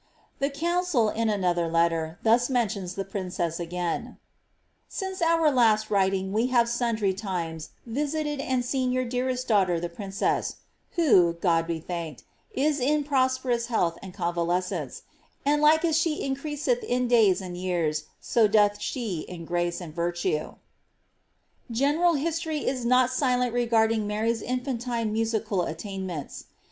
The council, in another letter, thus men tions the princess again :—^ Since our last writing we have sundry times Tisited and seen your dearest daughter the princess, who, God be ihanked, is in prosperotis health and convalescence ; and like as she ioereaseth in days and years so doth she in grace and virtue.'' General history is not silent regarding Mary's in&ntine musical attain ■lentfl.